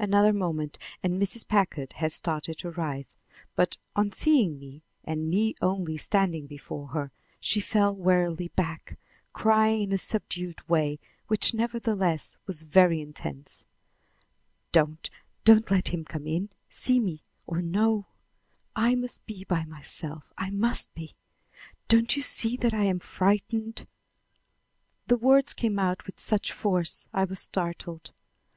Another moment and Mrs. Packard had started to rise; but, on seeing me and me only standing before her, she fell wearily back, crying in a subdued way, which nevertheless was very intense: "Don't, don't let him come in see me or know. I must be by myself; I must be! Don't you see that I am frightened?" The words came out with such force I was startled.